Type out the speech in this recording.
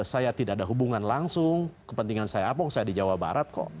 saya tidak ada hubungan langsung kepentingan saya apa saya di jawa barat kok